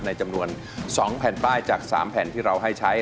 จำนวน๒แผ่นป้ายจาก๓แผ่นที่เราให้ใช้